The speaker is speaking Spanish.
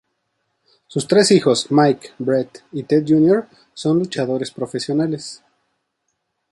Sus tres hijos, Mike, Brett, y Ted Jr., son luchadores profesionales.